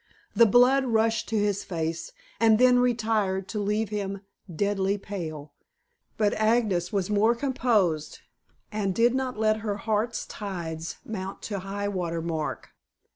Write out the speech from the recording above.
The blood rushed to his face, and then retired to leave him deadly pale, but Agnes was more composed, and did not let her heart's tides mount to high water mark.